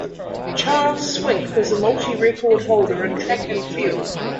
Charles Swink was a multi-record holder in track and field.